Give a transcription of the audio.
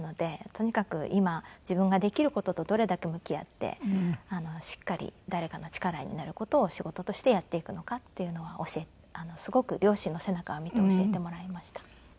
とにかく今自分ができる事とどれだけ向き合ってしっかり誰かの力になる事を仕事としてやっていくのかっていうのはすごく両親の背中を見て教えてもらいました。